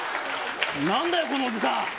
なんだよ、このおじさん。